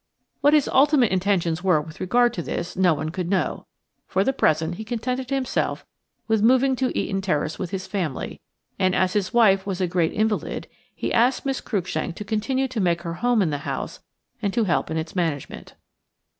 What his ultimate intentions were with regard to this no one could know. For the present he contented himself with moving to Eaton Terrace with his family; and, as his wife was a great invalid, he asked Miss Cruikshank to continue to make her home in the house and to help in its management.